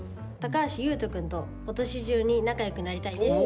「橋優斗君と今年中に仲良くなりたい」です。